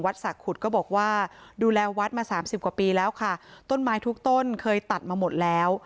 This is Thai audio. สะขุดก็บอกว่าดูแลวัดมาสามสิบกว่าปีแล้วค่ะต้นไม้ทุกต้นเคยตัดมาหมดแล้ว